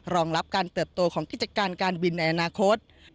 รองรับการเติบโตของกิจการการบินในอนาคต